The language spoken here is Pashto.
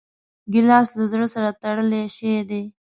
ګیلاس له زړه سره تړلی شی دی.